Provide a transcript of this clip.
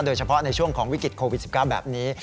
โดยเฉพาะในช่วงของวิกฤตโควิด๑๙แบบนี้